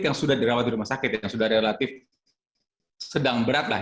yang sudah dirawat di rumah sakit yang sudah relatif sedang berat lah